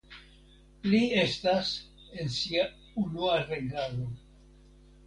Li estas en sia unua regado.